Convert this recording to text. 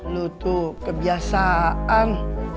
lu tuh kebiasaan